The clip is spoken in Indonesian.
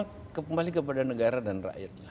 pikiran kita semua kembali kepada negara dan rakyat